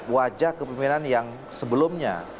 wajah kepemimpinan yang sebelumnya